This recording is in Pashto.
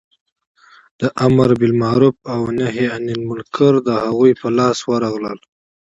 د امر بالمعروف او نهې عن المنکر د هغو په لاس ورغلل.